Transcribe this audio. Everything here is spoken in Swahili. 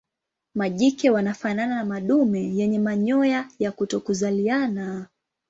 Majike wanafanana na madume yenye manyoya ya kutokuzaliana.